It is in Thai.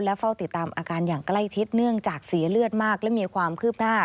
เฝ้าติดตามอาการอย่างใกล้ชิดเนื่องจากเสียเลือดมากและมีความคืบหน้า